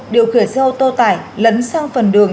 điều khiển xe ô tô tải lấn sang phần đường